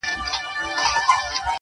o داسي ژوند کي لازمي بولمه مینه,